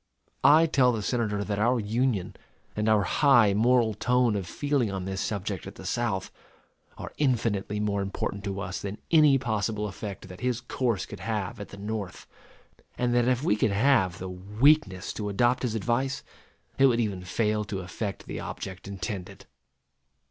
I tell the Senator that our Union, and our high moral tone of feeling on this subject at the South, are infinitely more important to us than any possible effect that his course could have at the North; and that if we could have the weakness to adopt his advice, it would even fail to effect the object intended.